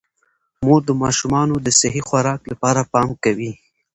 مور د ماشومانو د صحي خوراک لپاره پام کوي